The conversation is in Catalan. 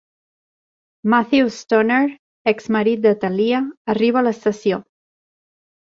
Matthew Stoner, ex-marit de Talia, arriba a l'estació.